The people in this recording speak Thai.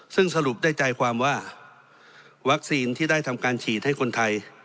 ซึ่งสรุปได้ใจความว่าวัคซีนที่ได้ทำการฉีดให้คนไทย